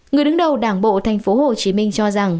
người đứng đầu đảng bộ tp hcm cho rằng